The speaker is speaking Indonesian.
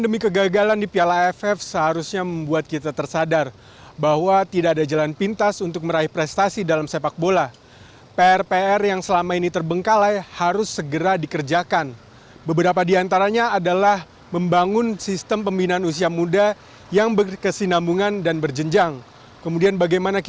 menurut timnas koordinasi ini penting dan lumrah dilakukan di tim nasional negara negara lain